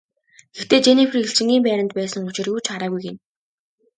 Гэхдээ Женнифер элчингийн байранд байсан учир юу ч хараагүй гэнэ.